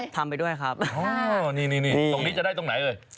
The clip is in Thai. ทำไปด้วยครับนี่ตรงนี้จะได้ตรงไหนเอ่ย